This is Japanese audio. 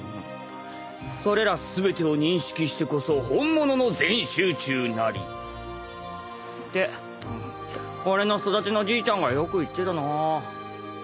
「それら全てを認識してこそ本物の全集中なり」って俺の育手のじいちゃんがよく言ってたなぁ。